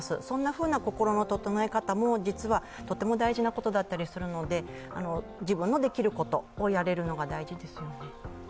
そんなふうな心の整え方も実はとても大事なことだったりするので、自分のできることをやれるのが大事ですよね。